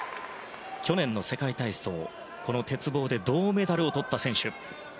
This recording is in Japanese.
去年の世界体操、この鉄棒で銅メダルをとった選手。